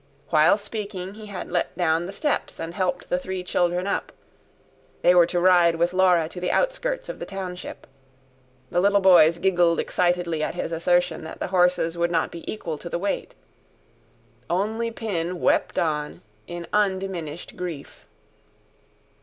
While speaking he had let down the steps and helped the three children up they were to ride with Laura to the outskirts of the township. The little boys giggled excitedly at his assertion that the horses would not be equal to the weight. Only Pin wept on, in undiminished grief.